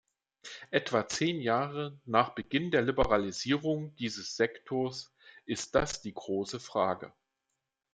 Etwa zehn Jahre nach Beginn der Liberalisierung dieses Sektors ist das die große Frage.